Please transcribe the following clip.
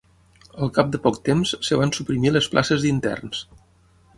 Al cap de poc temps es van suprimir les places d'interns.